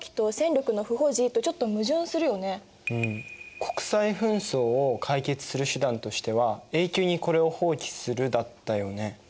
「国際紛争を解決する手段としては永久にこれを放棄する」だったよね。